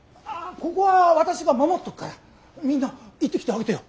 ここは私が守っとくからみんな行ってきてあげてよ。